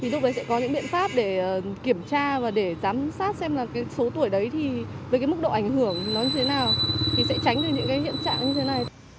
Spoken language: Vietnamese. đúng vậy sẽ có những biện pháp để kiểm tra và để giám sát xem số tuổi đấy với mức độ ảnh hưởng nó như thế nào thì sẽ tránh được những hiện trạng như thế này